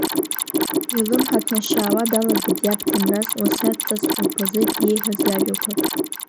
Илымҳа ҭнашьаауа далагеит иаб Ҭемраз уасиаҭҵас хәылԥазык иеиҳәаз иажәақәа…